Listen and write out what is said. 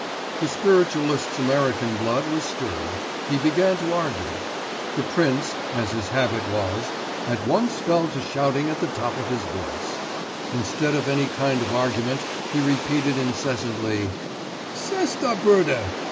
The spiritualist's American blood was stirred; he began to argue. The prince, as his habit was, at once fell to shouting at the top of his voice; instead of any kind of argument he repeated incessantly: '_C'est absurde!